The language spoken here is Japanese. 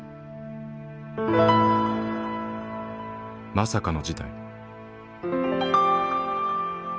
まさかの事態。